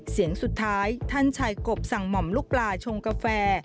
เสียงสุดท้ายท่านชายกบสั่งหม่อมลูกปลาชงกาแฟ